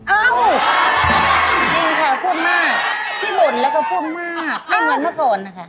เอ้าจริงค่ะพูดมากที่บุญแล้วก็พูดมากเหมือนเมื่อก่อนค่ะ